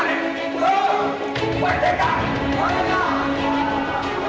jumlah boleh bukan turuti bisa zamanin